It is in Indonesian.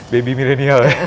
baby milenial ya